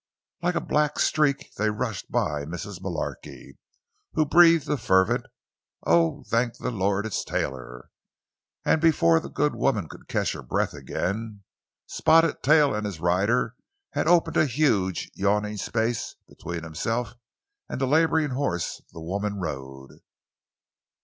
Like a black streak they rushed by Mrs. Mullarky, who breathed a fervent, "Oh, thank the Lord, it's Taylor!" and before the good woman could catch her breath again, Spotted Tail and his rider had opened a huge, yawning space between himself and the laboring horse the woman rode.